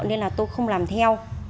nên là tôi không làm theo